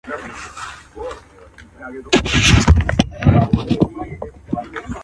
پېښه ټول کلي لړزوي ډېر،